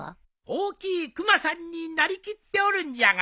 大きいクマさんになりきっておるんじゃが。